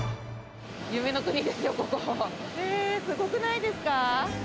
すごくないですか？